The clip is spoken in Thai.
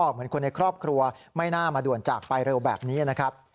เหมือนคนในครอบครัวไม่น่ามาด่วนจากไปเร็วแบบนี้นะครับ